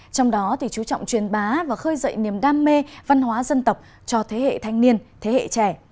trong đó chú trọng truyền bá và khơi dậy niềm đam mê văn hóa dân tộc cho thế hệ thanh niên thế hệ trẻ